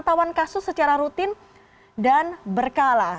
ini artinya tidak ada kasus secara rutin dan berkala